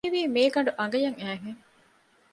ހީވީ މޭގަނޑު އަނގަޔަށް އައިހެން